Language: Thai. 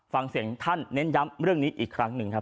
ฟังเสียงท่านเน้นย้ำเรื่องนี้อีกครั้งหนึ่งครับ